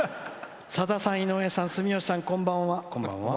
「さださん、井上さん、住吉さんこんばんは。